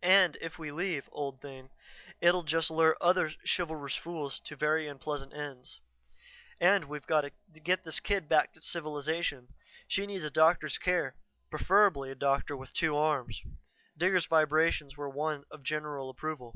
And if we leave, old thing, it'll just lure other chivalrous fools to very unpleasant ends. "And we've got to get this kid back to civilization. She needs a doctor's care, preferably a doctor with two arms." Digger's vibrations were one of general approval.